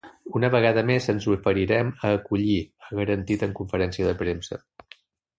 Una vegada més ens oferirem a acollir, ha garantit en conferència de premsa.